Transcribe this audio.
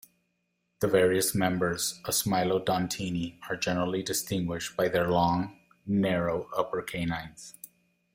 The various members of smilodontini are generally distinguished by their long, narrow upper canines.